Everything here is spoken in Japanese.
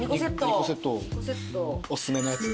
おすすめのやつ。